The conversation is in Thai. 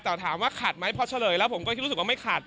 แต่ถามว่าขัดไหมพอเฉลยแล้วผมก็คิดรู้สึกว่าไม่ขาด